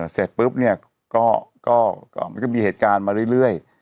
เสร็จปุ๊บเนี่ยก็มันก็มีเหตุการณ์มาเรื่อย